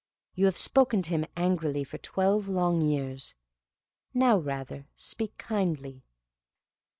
You have spoken to him angrily for twelve long years; now rather speak kindly.